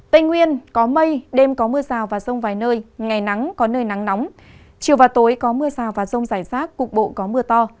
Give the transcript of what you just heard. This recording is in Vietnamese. tây nguyên có mây đêm có mưa rào và rông vài nơi ngày nắng có nơi nắng nóng chiều và tối có mưa rào và rông rải rác cục bộ có mưa to